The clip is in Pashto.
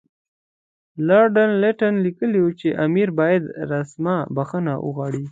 لارډ لیټن لیکلي وو چې امیر باید رسماً بخښنه وغواړي.